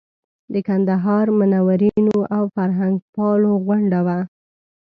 د کندهار منورینو او فرهنګپالو غونډه وه.